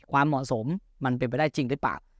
ความเหมาะสมมันเป็นไปได้จริงหรือเปล่า